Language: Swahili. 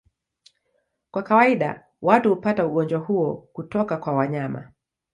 Kwa kawaida watu hupata ugonjwa huo kutoka kwa wanyama.